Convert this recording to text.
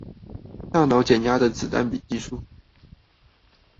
大腦減壓的子彈筆記術